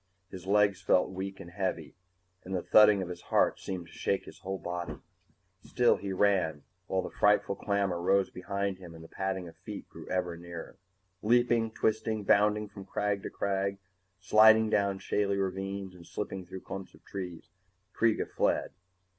His legs felt weak and heavy, and the thudding of his heart seemed to shake his whole body. Still he ran, while the frightful clamor rose behind him and the padding of feet grew ever nearer. Leaping, twisting, bounding from crag to crag, sliding down shaly ravines and slipping through clumps of trees, Kreega fled.